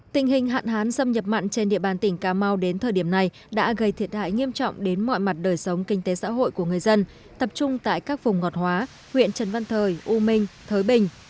tình hình hạn hán xâm nhập mặn trên địa bàn tỉnh cà mau đến thời điểm này đã gây thiệt hại nghiêm trọng đến mọi mặt đời sống kinh tế xã hội của người dân tập trung tại các vùng ngọt hóa huyện trần văn thời u minh thới bình